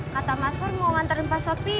kata mas pur mau nganterin pak sopi